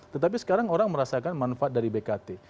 tetapi sekarang orang merasakan manfaat dari bkt